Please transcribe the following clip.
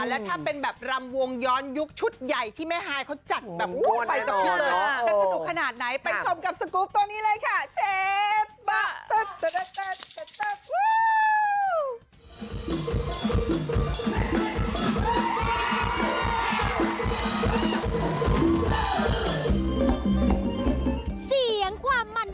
และถ้าเป็นแบบรำวงย้อนยุคชุดใหญ่ที่แม่ฮายเขาจัดแบบวู้ใครต่อกัน